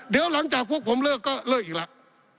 เดี๋ยวหลังจากพวกผมเลิกก็เลิกอีกแล้ว